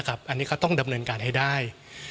อันนี้เขาต้องดำเนินการให้ได้